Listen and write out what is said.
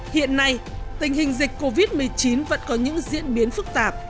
hiện nay tình hình dịch covid một mươi chín vẫn có những diễn biến phức tạp